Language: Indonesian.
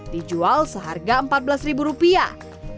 dijual seharga empat belas ribu rupiah